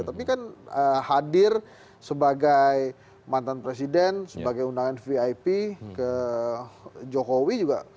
tapi kan hadir sebagai mantan presiden sebagai undangan vip ke jokowi juga